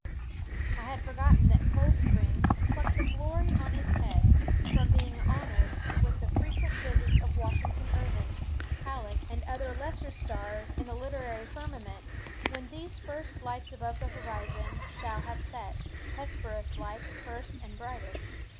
I had forgotten that Cold Spring "plucks a glory on its head" from being honoured with the frequent visits of Washington Irving, Halleck, and other lesser stars in the literary firmament; when these first lights above the horizon shall have set, (Hesperus like—first and brightest!)